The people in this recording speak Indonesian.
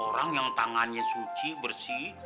orang yang tangannya suci bersih